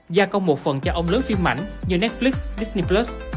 gia công một phần cho ông lớn phim mảnh như netflix disney